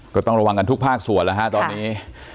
ก็ต้องระวังกันทุกภาคส่วนแล้วฮะตอนนี้